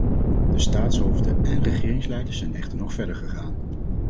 De staatshoofden en regeringsleiders zijn echter nog verder gegaan.